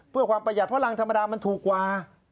เพื่อความประหยัดเพราะรังธรรมดามันถูกกว่า